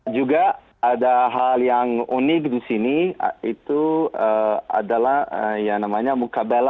juga ada hal yang unik di sini itu adalah yang namanya mukabella